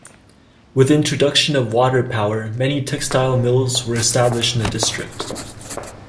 With the introduction of water power, many textile mills were established in the district.